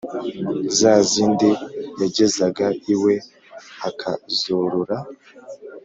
(za zindi yagezaga iwe akazorora)